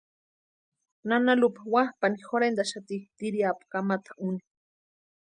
Nana Lupa wapʼani jorhentaxati tiriapu kamatu úni.